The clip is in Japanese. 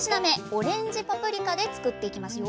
オレンジパプリカで作っていきますよ